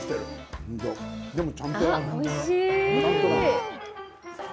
でも、ちゃんと。